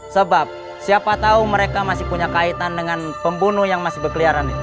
sebab siapa tahu mereka masih punya kaitan dengan pembunuh yang masih berkeliaran